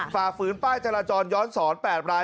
ฝ่าฝืนป้ายจราจรย้อนสอน๘ราย